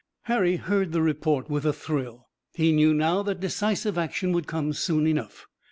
Harry heard the report with a thrill. He knew now that decisive action would come soon enough.